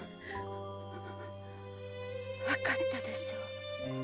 わかったでしょう